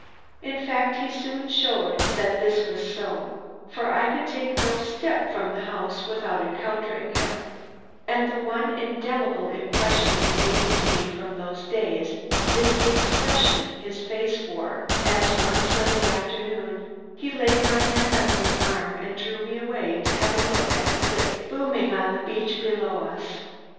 "In fact he soon showed that this was so, for I could take no step from the house without encountering him; and the one indelible impression remaining to me from those days is the expression his face wore as, one sunny afternoon, he laid my hand on his arm and drew me away to have a look at the lake booming on the beach below us.